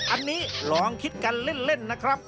อันนี้ลองคิดกันเล่นนะครับ